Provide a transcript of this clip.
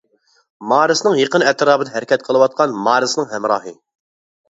مارسنىڭ يېقىن ئەتراپىدا ھەرىكەت قىلىۋاتقان مارسنىڭ ھەمراھى.